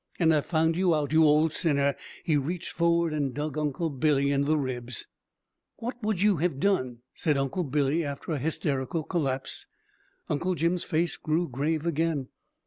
And I found you out, you old sinner!" He reached forward and dug Uncle Billy in the ribs. "What would you hev done?" said Uncle Billy, after an hysterical collapse. Uncle Jim's face grew grave again.